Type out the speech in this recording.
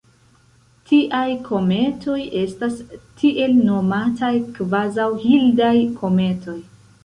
Tiaj kometoj estas tiel nomataj kvazaŭ-Hildaj kometoj.